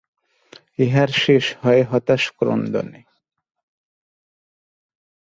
ইহার শেষ হয় হতাশ ক্রন্দনে।